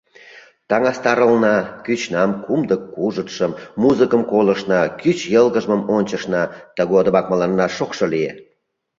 Таҥастарылна кӱчнан кумдык-кужытшым, музыкым колыштна, кӱч йылгыжмым ончыштна, тыгодымак мыланна шокшо лие.